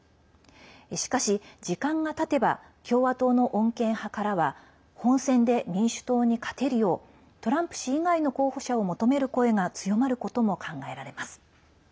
しかし、時間がたてば共和党の穏健派からは本選で民主党に勝てるようトランプ氏以外の候補者を求める声が強まることも考えられます。